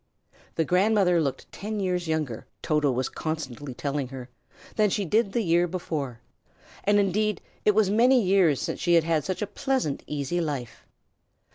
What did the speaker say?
The grandmother looked ten years younger, Toto was constantly telling her, than she did the year before; and, indeed, it was many years since she had had such a pleasant, easy life.